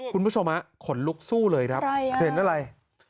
คุณผู้ชมขนลุกสู้เลยครับเห็นอะไร